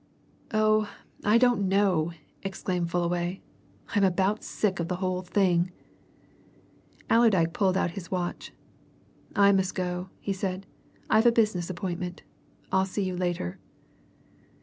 "Oh, I don't know!" exclaimed Fullaway. "I'm about sick of the whole thing." Allerdyke pulled out his watch. "I must go," he said. "I've a business appointment. I'll see you later."